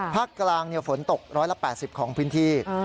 ภาคกลางฝนตก๑๘๐ของพื้นที่